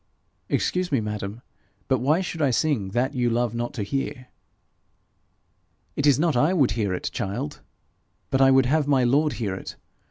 'Excuse me, madam, but why should I sing that you love not to hear?' 'It is not I would hear it, child, but I would have my lord hear it.